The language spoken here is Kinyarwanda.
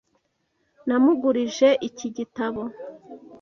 Namugurije iki gitabo.